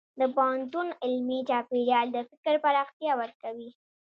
د پوهنتون علمي چاپېریال د فکر پراختیا ورکوي.